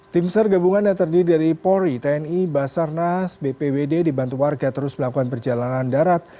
tim sar gabungan yang terdiri dari polri tni basarnas bpwd dibantu warga terus melakukan perjalanan darat